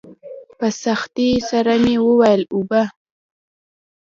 په سختۍ سره مې وويل اوبه.